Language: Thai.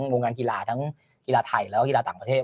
วงการกีฬาทั้งกีฬาไทยแล้วก็กีฬาต่างประเทศ